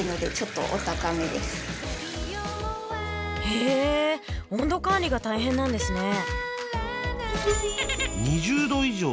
へえ温度管理が大変なんですね。